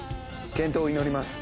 健闘を祈ります。